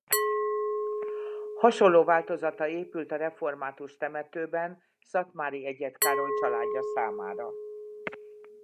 Hasonló változata épült a református temetőben Szatmári Egyed Károly családja számára.